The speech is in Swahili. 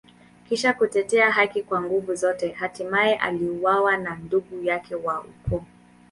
Kisha kutetea haki kwa nguvu zote, hatimaye aliuawa na ndugu yake wa ukoo.